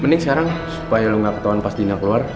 mending sekarang supaya elu gak ketauan pas dina keluar